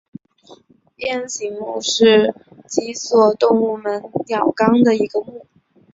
雁形目是脊索动物门鸟纲的一个目。